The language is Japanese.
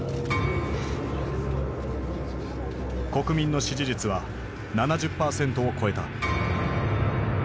国民の支持率は７０％を超えた。